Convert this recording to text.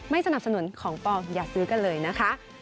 สนับสนุนของปลอมอย่าซื้อกันเลยนะคะ